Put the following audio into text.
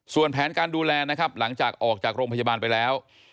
ส่วนแผนการดูแลนะครับหลังจากออกจากโรงพยาบาลไปแล้ว